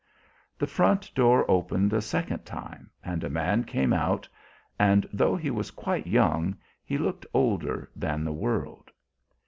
The front door opened a second time, and a man came out and, though he was quite young, he looked older than the world.